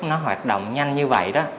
nó hoạt động nhanh như vậy đó